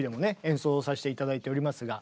演奏させて頂いておりますが。